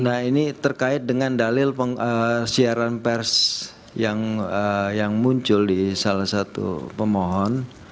nah ini terkait dengan dalil siaran pers yang muncul di salah satu pemohon